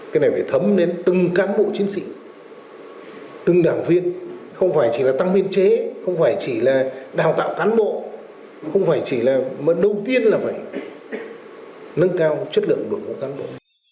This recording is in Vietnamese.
cái này phải thấm đến từng cán bộ chiến sĩ từng đảng viên không phải chỉ là tăng biên chế không phải chỉ là đào tạo cán bộ không phải chỉ là mà đầu tiên là phải nâng cao chất lượng đội ngũ cán bộ